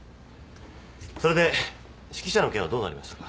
それで指揮者の件はどうなりましたか？